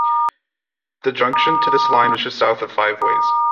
The junction to this line was just south of Five Ways.